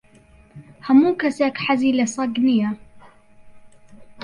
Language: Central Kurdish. ھەموو کەسێک حەزی لە سەگ نییە.